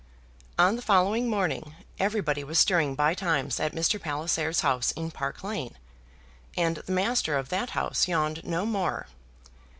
On the following morning everybody was stirring by times at Mr. Palliser's house in Park Lane, and the master of that house yawned no more.